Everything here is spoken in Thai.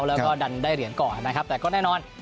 แล้วก็ดันได้เหรียญก่อนนะครับแต่ก็แน่นอน